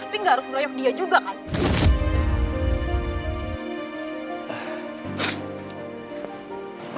tapi gak harus melayuk dia juga kan